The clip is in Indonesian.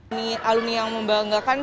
ini alumni yang membanggakan